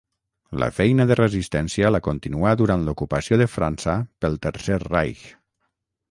La feina de resistència la continuà durant l'ocupació de França pel Tercer Reich.